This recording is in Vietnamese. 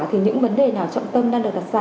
thì những vấn đề nào trọng tâm đang được đặt ra